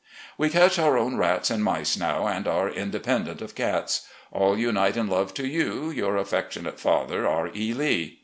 We catch our own rats and mice now, and are independent of cats. All imite in love to you. "Your affectionate father, "R. E. Lee.